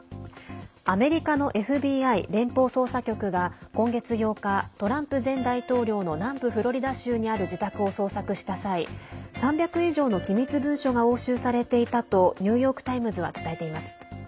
アメリカのＦＢＩ＝連邦捜査局が今月８日、トランプ前大統領の南部フロリダ州にある自宅を捜索した際３００以上の機密文書が押収されていたとニューヨーク・タイムズは伝えています。